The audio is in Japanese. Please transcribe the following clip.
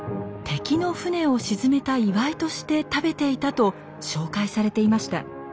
敵の船を沈めた祝いとして食べていたと紹介されていました。